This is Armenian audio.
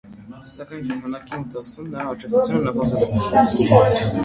Սակայն ժամանակի ընթացքում նրա աջակցությունը նվազել է։